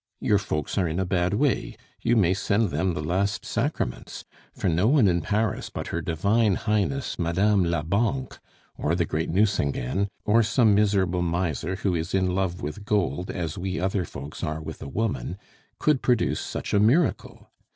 Your folks are in a bad way; you may send them the last sacraments; for no one in Paris but her Divine Highness Madame la Banque, or the great Nucingen, or some miserable miser who is in love with gold as we other folks are with a woman, could produce such a miracle!